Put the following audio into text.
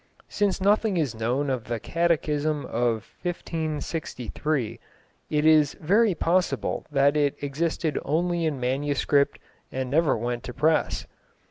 Since nothing is known of the Catechism of 1563, it is very possible that it existed only in manuscript and never went to press.